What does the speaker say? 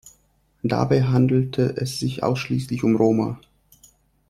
Dabei handelte es sich ausschließlich um Roma.